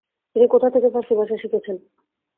তিনি কোথা থেকে ফরাসি ভাষা শিখেছেন।